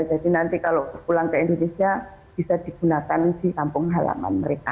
jadi nanti kalau pulang ke indonesia bisa digunakan di kampung halaman mereka